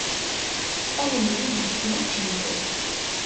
Ad nemlil deg tneččit.